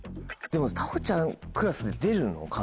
でも太鳳ちゃんクラスで出るの？